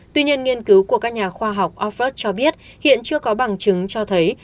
tuy nhiên nghiên cứu của các nhà khoa học oxford cho biết hiện chưa có bằng chứng cho thấy